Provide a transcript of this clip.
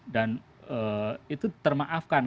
dan itu termaafkan